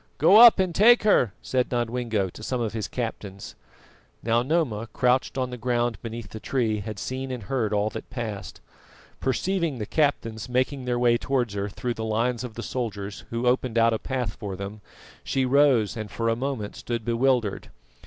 "Go up and take her," said Nodwengo to some of his captains. Now Noma, crouched on the ground beneath the tree, had seen and heard all that passed. Perceiving the captains making their way towards her through the lines of the soldiers, who opened out a path for them, she rose and for a moment stood bewildered.